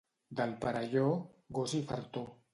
Del Perelló, gos i fartó.